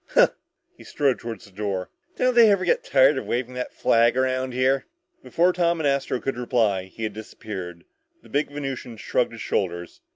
Huh!" He strode toward the door. "Don't they ever get tired of waving that flag around here?" Before Tom and Astro could reply, he had disappeared. The big Venusian shrugged his shoulders.